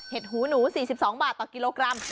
หูหนู๔๒บาทต่อกิโลกรัม